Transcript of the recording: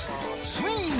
ついに！